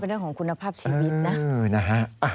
เรื่องของคุณภาพชีวิตนะ